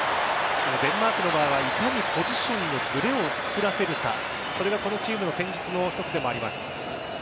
デンマークの場合はいかにポジションのズレを作らせるかそれがこのチームの戦術の一つでもあります。